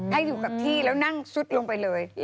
ให้อยู่กับที่แล้วนั่งซุดลงไปเลย